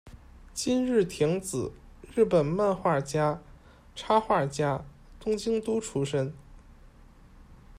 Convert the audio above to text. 今日町子，日本漫画家、插画家，东京都出身。